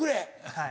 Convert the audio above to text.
はい。